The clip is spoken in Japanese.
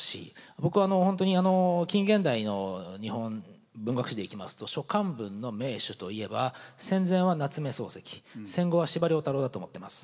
僕は本当に近現代の日本文学史でいきますと書簡文の名手といえば戦前は夏目漱石戦後は司馬太郎だと思ってます。